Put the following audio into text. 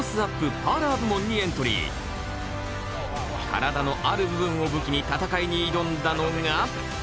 体のある部分を武器に戦いに挑んだのが。